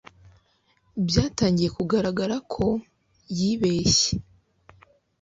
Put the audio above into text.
Byatangiye kugaragara ko yibeshye